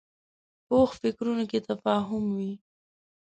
پخو فکرونو کې تفاهم وي